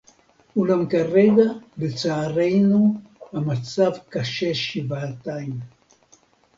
אולם כרגע, לצערנו, המצב קשה שבעתיים